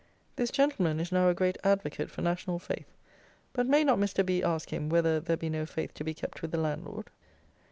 This gentleman is now a great advocate for national faith; but may not Mr. B ask him whether there be no faith to be kept with the landlord?